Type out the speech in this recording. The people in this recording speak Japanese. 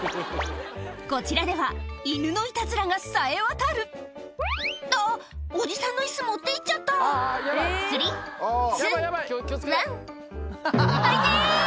こちらでは犬のいたずらがさえわたるあっおじさんの椅子持っていっちゃったスリーツーワン「あ痛っ！」